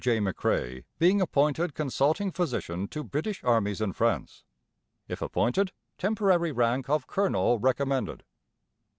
J. McCrae being appointed Consulting Physician to British Armies in France. If appointed, temporary rank of Colonel recommended.